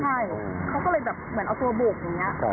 ใช่เขาก็เลยแบบเหมือนเอาตัวบุกอย่างนี้